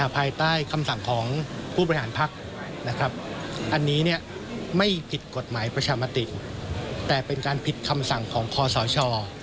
ผิดกฎหมายประชามาติแต่เป็นการผิดคำสั่งของข้อสาวช่อ